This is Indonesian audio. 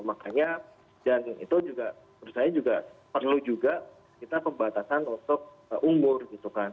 makanya dan itu juga menurut saya juga perlu juga kita pembatasan untuk umur gitu kan